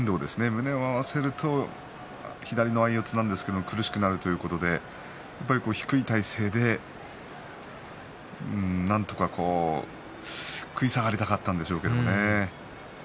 胸を合わせると左の相四つなんですけれども苦しくなるということでやっぱり低い体勢でなんとか食い下がりたかったんでしょうけれどもね。